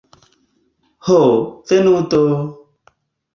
Ho, venu do!